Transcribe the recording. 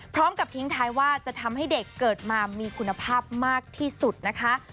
พร้อมกับทิ้งท้ายว่าจะทำให้เด็กเกิดมามีคุณภาพมากที่สุดนะคะ